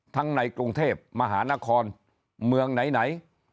ในกรุงเทพมหานครเมืองไหน